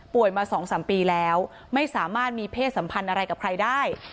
มา๒๓ปีแล้วไม่สามารถมีเพศสัมพันธ์อะไรกับใครได้